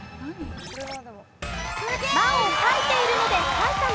「ま」を裂いているので埼玉。